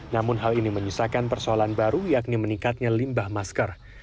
namun hal ini menyusahkan persoalan baru yakni meningkatnya limbah masker